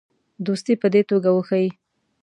دوستي په دې توګه وښیي.